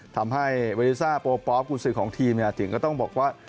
ทำให้เวริซ่าโปรปคุณศึกของทีมเนี่ยจริงก็ต้องบอกว่า